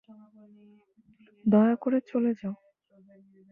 দয়া করে চলে যাও।